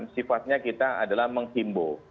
sifatnya kita adalah menghimbo